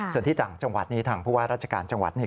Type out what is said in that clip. ส่วนที่ต่างจังหวัดนี้ทางผู้ว่าราชการจังหวัดนี่